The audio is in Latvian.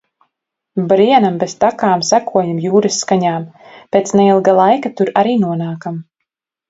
Brienam bez takām, sekojam jūras skaņām. Pēc neilga laika tur arī nonākam.